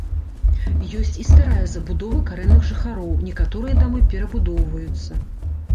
Ёсць і старая забудова карэнных жыхароў, некаторыя дамы перабудоўваюцца.